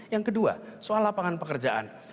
yang kedua soal lapangan pekerjaan